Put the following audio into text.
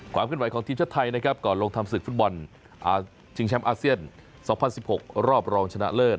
ความขึ้นไหวของทีมชาติไทยนะครับก่อนลงทำศึกฟุตบอลชิงแชมป์อาเซียน๒๐๑๖รอบรองชนะเลิศ